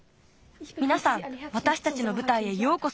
みなさんわたしたちのぶたいへようこそ。